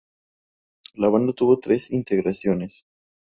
La banda tuvo tres integraciones.